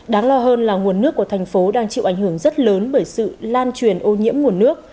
đáng lo hơn là nguồn nước của thành phố đang chịu ảnh hưởng rất lớn bởi sự lan truyền ô nhiễm nguồn nước